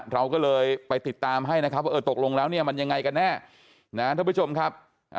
เราก็เลยไปติดตามให้นะครับ